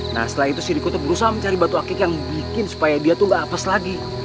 nah setelah itu si riko tuh berusaha mencari batu akek yang bikin supaya dia tuh gak apes lagi